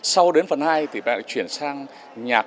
sau đến phần hai thì bạn ấy chuyển sang nhạc hai mươi bốn